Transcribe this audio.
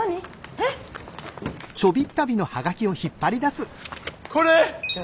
えっ？これ！